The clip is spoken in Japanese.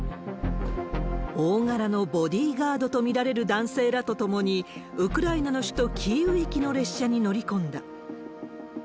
大柄のボディーガードと見られる男性らと共に、ウクライナの首都キーウ行きの列車に乗り込んだ。